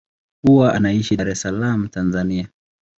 Hawa anaishi Dar es Salaam, Tanzania.